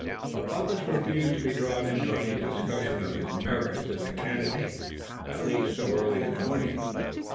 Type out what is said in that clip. But Bumpus refused to be drawn into any discussion of his merits as a candidate, at least so early in the morning.